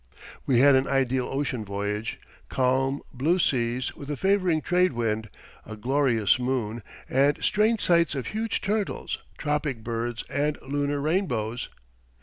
We had an ideal ocean voyage: calm, blue seas, with a favouring trade wind, a glorious moon, and strange sights of huge turtles, tropic birds, and lunar rainbows.